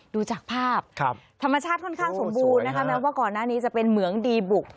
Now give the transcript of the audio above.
ดูจากภาพธรรมชาติค่อนข้างสมบูรณ์นะคะแม้ว่าก่อนหน้านี้จะเป็นเหมืองดีบุก